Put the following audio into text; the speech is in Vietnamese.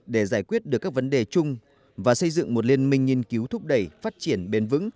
để giải quyết được các vấn đề chung và xây dựng một liên minh nghiên cứu thúc đẩy phát triển bền vững